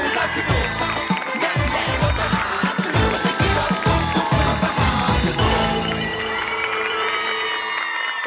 มันไม่ใช่รถตุ๊กตุ๊กมันรถประหาสนุก